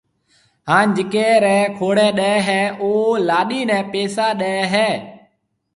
ھان جڪيَ رَي کوڙَي ڏَي ھيََََ او لاڏِي نيَ پيسا ڏَي ھيََََ